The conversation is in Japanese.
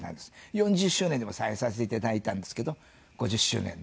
４０周年でも再演させていただいたんですけど５０周年で。